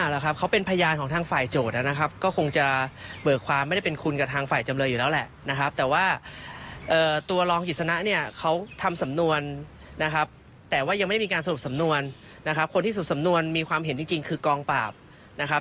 เราก็คงจะต้องหมายเรียกทางกองปราบและสำนวนมานะครับ